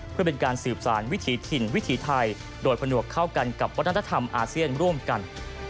เพื่อเป็นการสืบสารวิถีถิ่นวิถีไทยโดยผนวกเข้ากันกับวัฒนธรรมอาเซียนร่วมกัน